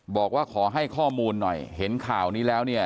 บอกว่าขอให้ข้อมูลหน่อยเห็นข่าวนี้แล้วเนี่ย